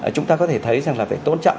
chúng ta có thể thấy rằng là phải tôn trọng